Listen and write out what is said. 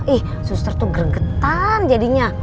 ih suster tuh gregetan jadinya